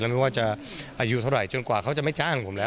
ไม่ว่าจะอายุเท่าไหร่จนกว่าเขาจะไม่จ้างผมแล้ว